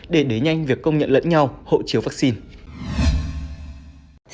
để đẩy nhanh việc công nhận lẫn nhau hộ chiếu vaccine